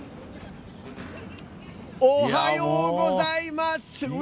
おはようございます。